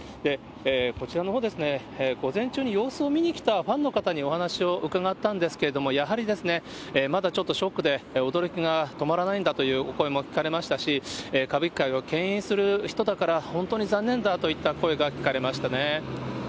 こちらのほうですね、午前中に様子を見に来たファンの方にお話を伺ったんですけれども、やはりですね、まだちょっとショックで驚きが止まらないんだというお声も聞かれましたし、歌舞伎界をけん引する人だから、本当に残念だといった声が聞かれましたね。